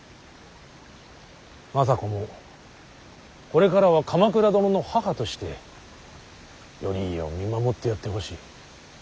政子もこれからは鎌倉殿の母として頼家を見守ってやってほしい。